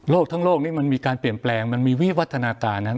ทั้งโลกนี้มันมีการเปลี่ยนแปลงมันมีวิวัฒนาการนั้น